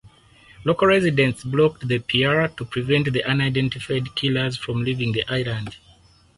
Local residents blocked the pier to prevent the unidentified killers from leaving the island.